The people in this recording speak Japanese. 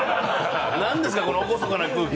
何ですか、この厳かな空気。